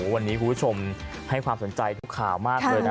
วันนี้คุณผู้ชมให้ความสนใจทุกข่าวมากเลยนะ